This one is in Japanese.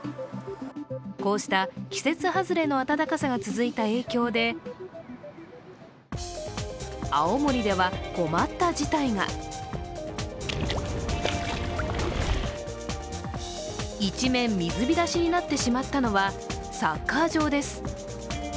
こうした季節外れの暖かさが続いた影響で、一面、水浸しになってしまったのはサッカー場です。